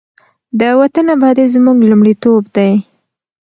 د وطن ابادي زموږ لومړیتوب دی.